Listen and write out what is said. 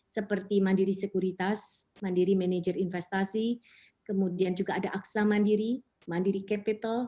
seperti mandiri sekuritas mandiri manager investasi kemudian juga ada aksa mandiri mandiri capital